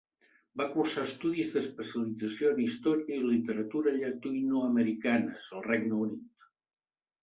Va cursar estudis d'especialització en Història i Literatura Llatinoamericanes al Regne Unit.